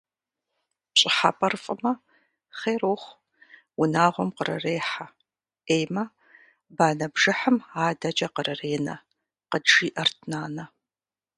«Пщӏыхьэпӏэр фӀымэ, хъер ухъу, унагъуэм кърырехьэ, Ӏеймэ, банэ бжыхьым адэкӀэ кърыренэ», – къыджиӀэрт нанэ.